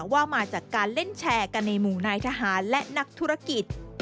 ว่ามาจากการเล่นแชร์กันในหมู่นายทหารและนักธุรกิจ